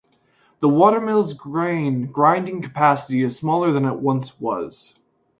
The watermill’s grain grinding capacity is smaller than it once was.